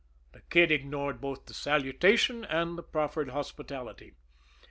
The Kid ignored both the salutation and the proffered hospitality.